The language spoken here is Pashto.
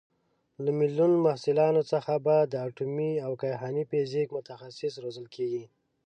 له میلیون محصلانو څخه به د اټومي او کیهاني فیزیک متخصص روزل کېږي.